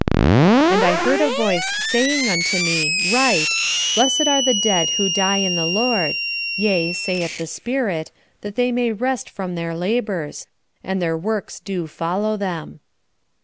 "And I heard a voice saying unto me, Write Blessed are the dead who die in the Lord: Yea, saith the Spirit, that they may rest from their labors; and their works do follow them."